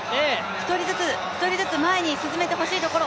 一人ずつ、一人ずつ前に進めてほしいところ。